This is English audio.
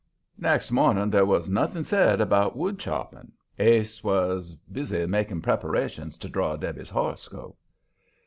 Next morning there was nothing said about wood chopping Ase was busy making preparations to draw Debby's horoscope.